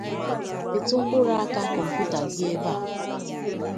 Pịtụ mkpụrụ aka kọmputa gị ebe a